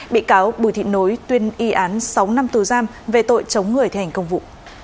bị cáo bùi thị nối tuyên y án sáu năm tù giam về tội chống người thi hành công vụ